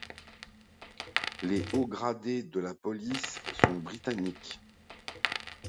Les haut gradés de la Police sont britanniques.